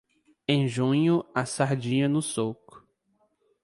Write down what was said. Em junho, a sardinha no suco.